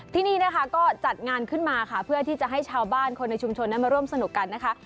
ที่นี่นะคะก็จัดงานขึ้นมาค่ะเพื่อที่จะให้ชาวบ้านคนในชุมชนนั้นมาร่วมสนุกกันนะคะ